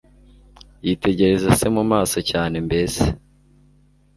yitegereza se mumaso cyane mbese